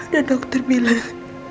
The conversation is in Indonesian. dan dokter bilang